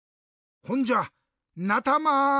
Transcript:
ほんじゃなたま！